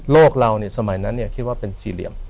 โลกเราเนี่ยสมัยนั้นเนี่ยคิดว่าเป็นสี่เหลี่ยม